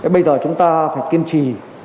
bây giờ chúng ta phải kiên trì